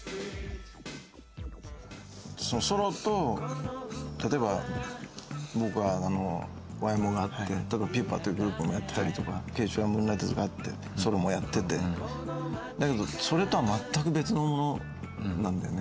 ソロと例えば僕はあのＹＭＯがあってｐｕｐａというグループもやってたりとか慶一はムーンライダーズがあってソロもやっててだけどそれとは全く別のものなんだよね。